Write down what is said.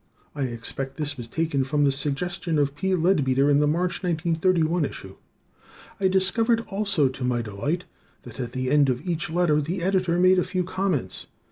(I expect this name was taken from the suggestion of P. Leadbeater in the March, 1931, issue.) I discovered also, to my delight, that at the end of each letter the Editor made a few comments.